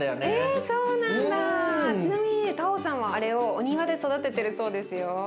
ちなみにねタオさんはあれをお庭で育ててるそうですよ。